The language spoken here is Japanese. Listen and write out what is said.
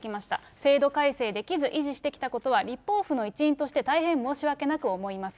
制度改正できず、維持してきたことは立法府の一員として大変申し訳なく思います。